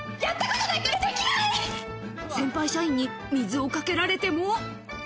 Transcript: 先輩社員に水をかけられても。